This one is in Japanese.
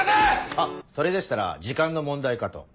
あっそれでしたら時間の問題かと。